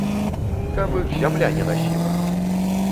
Каб іх зямля не насіла!